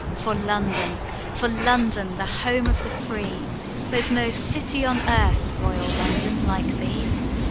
For London! for London! the home of the free, There's no city on earth, royal London, like thee!